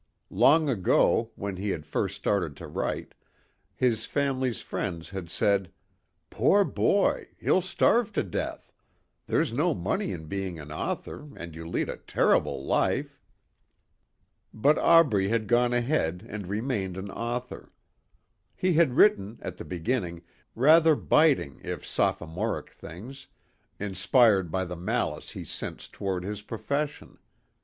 Long ago, when he had first started to write, his family's friends had said, "Poor boy, he'll starve to death. There's no money in being an author and you lead a terrible life." But Aubrey had gone ahead and remained an author. He had written, at the beginning, rather biting if sophomoric things, inspired by the malice he sensed toward his profession.